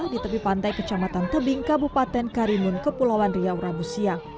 di tepi pantai kecamatan tebing kabupaten karimun kepulauan riau rabu siang